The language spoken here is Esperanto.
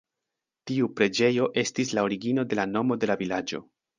Tiu preĝejo estis la origino de la nomo de la vilaĝo.